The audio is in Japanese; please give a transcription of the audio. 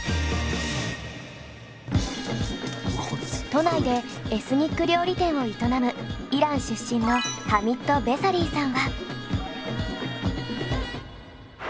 都内でエスニック料理店を営むイラン出身のハミッド・ベサリーさんは。